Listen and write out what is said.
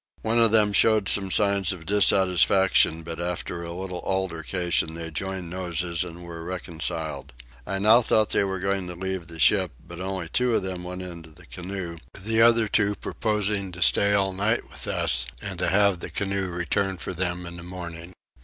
One of them showed some signs of dissatisfaction, but after a little altercation they joined noses and were reconciled. I now thought they were going to leave the ship, but only two of them went into the canoe, the other two purposing to stay all night with us and to have the canoe return for them in the morning.